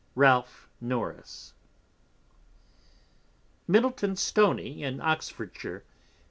Ralph Norris. Middleton Stony in Oxfordshire, Nov.